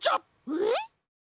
えっ？